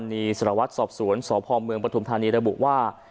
ทางด้านของพันธบริโธษภายรัฐวรรณีสารวัตรสอบสวนสพปฐุมธานีระบุว่า